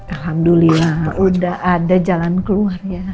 alhamdulillah udah ada jalan keluar ya